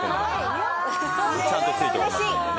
ちゃんと付いておりますんでね。